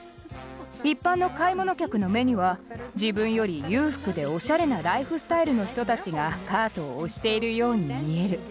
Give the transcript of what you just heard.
一般の買い物客の目には自分より裕福でおしゃれなライフスタイルの人たちがカートを押しているように見える。